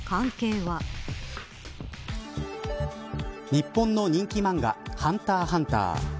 日本の人気漫画ＨＵＮＴＥＲ×ＨＵＮＴＥＲ。